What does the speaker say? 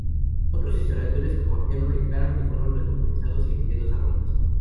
Otros historiadores como Apiano declaran que fueron recompensados y enviados a Roma.